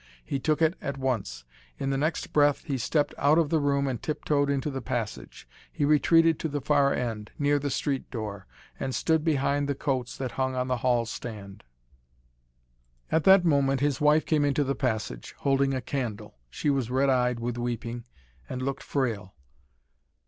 He took it at once. In the next breath he stepped out of the room and tip toed into the passage. He retreated to the far end, near the street door, and stood behind the coats that hung on the hall stand. At that moment his wife came into the passage, holding a candle. She was red eyed with weeping, and looked frail.